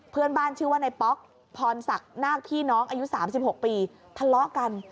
เพื่อนบ้านชื่อว่าในป๊อกพรศักดิ์นาคพี่น้องอายุ๓๖ปีทะเลาะกัน